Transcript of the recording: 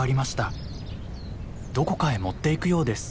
どこかへ持っていくようです。